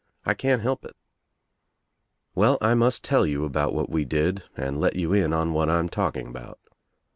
I can't help it. Well, I must tell you about what wc did and let you in on what I'm talking about.